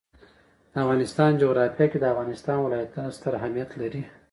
د افغانستان جغرافیه کې د افغانستان ولايتونه ستر اهمیت لري.